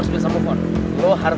kamu bisa terus mikirin karin